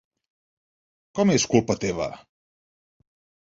Com és culpa teva?